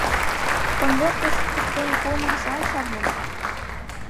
Конвертыш пыштен пуымым сай шарнем.